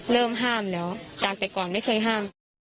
เริ่มห้ามแล้วการไปก่อนไม่เคยห้าม